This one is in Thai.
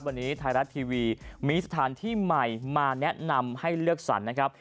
วันนี้ไทยรัฐทีวีมีสถานที่ใหม่มาแนะนำให้เลือกสรรนะครับ